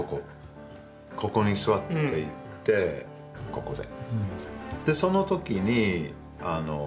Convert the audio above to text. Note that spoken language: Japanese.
ここで。